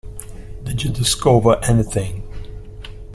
Did you discover anything?